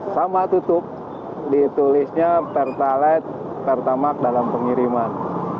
sama tutup ditulisnya pertalite pertamak dalam pengiriman